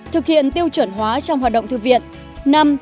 thực hiện tiêu chuẩn hóa trong hoạt động thư viện